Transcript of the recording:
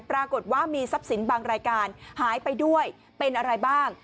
ปรากฏว่ามีทรัพย์สินบางรายการหายไปด้วยเป็นอะไรบ้าง